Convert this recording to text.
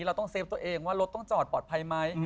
เราต้องเฟฟตัวเองว่ารถต้องจอดปลอดภัยไหม